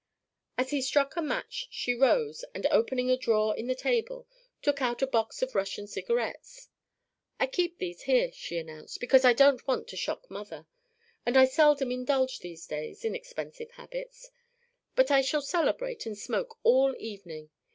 As he struck a match she rose, and, opening a drawer in the table, took out a box of Russian cigarettes. "I keep these here," she announced, "because I don't want to shock mother; and I seldom indulge these days in expensive habits. But I shall celebrate and smoke all evening.